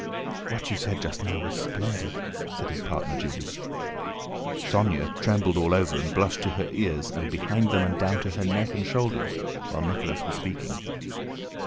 "What you said just now was splendid!" said his partner Julie. Sónya trembled all over and blushed to her ears and behind them and down to her neck and shoulders while Nicholas was speaking.